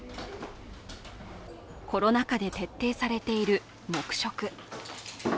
コロナ禍で徹底されている黙食。